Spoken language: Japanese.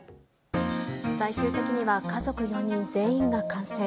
最終的には家族４人全員が感染。